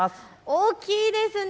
大きいですね。